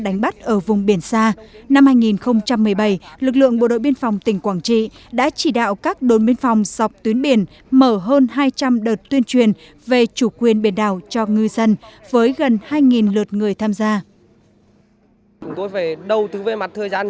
năm hai nghìn một mươi bảy lực lượng bộ đội biên phòng tỉnh quảng trị đã chỉ đạo các đồn biên phòng dọc tuyến biển mở hơn hai trăm linh đợt tuyên truyền về chủ quyền biển đảo cho ngư dân với gần hai lượt người tham gia